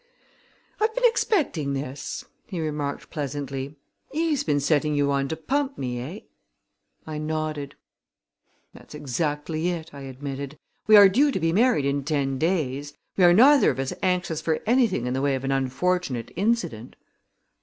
"I've been expecting this," he remarked pleasantly. "Eve's been setting you on to pump me, eh?" I nodded. "That's exactly it," I admitted. "We are due to be married in ten days. We are neither of us anxious for anything in the way of an unfortunate incident."